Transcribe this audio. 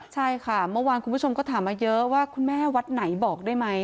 ใช่ค่ะเมื่อวานคุณผู้ชมก็ถามมาเยอะว่าคุณแม่วัดไหนบอกได้ไหม